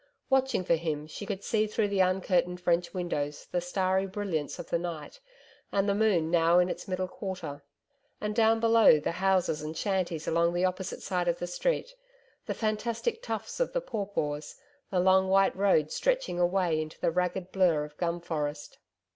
Watching for him she could see through the uncurtained French windows the starry brilliance of the night, and the moon now in its middle quarter. And down below, the houses and shanties along the opposite side of the street, the fantastic tufts of the pawpaws, the long white road stretching away into the ragged blur of gum forest.